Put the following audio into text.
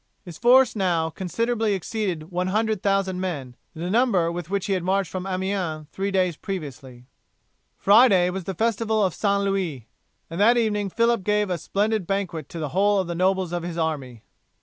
His force now considerably exceeded 100,000 men, the number with which he had marched from Amiens three days previously. Friday was the festival of St. Louis, and that evening Phillip gave a splendid banquet to the whole of the nobles of his army.